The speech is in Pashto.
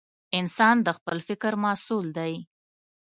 انسان د خپل فکر محصول دی.